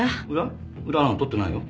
裏なんか取ってないよ。